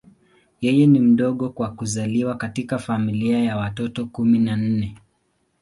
Yeye ni mdogo kwa kuzaliwa katika familia ya watoto kumi na nne.